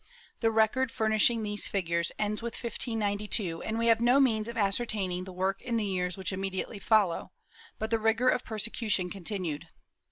The record furnishing these figures ends with 1592 and we have no means of ascertaining the work in the years which immediately follow, but the rigor of persecution continued.